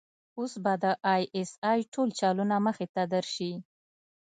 اوس به د آى اس آى ټول چلونه مخې ته درشي.